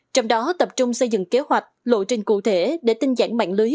trong đó tập trung xây dựng kế hoạch lộ trình cụ thể để tinh dạng mạng lưới